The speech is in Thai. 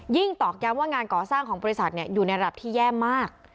ตอกย้ำว่างานก่อสร้างของบริษัทอยู่ในระดับที่แย่มาก